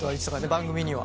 番組には。